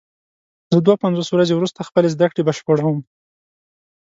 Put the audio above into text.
زه دوه پنځوس ورځې وروسته خپلې زده کړې بشپړوم.